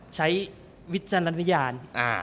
ใช้วิจารณญาณ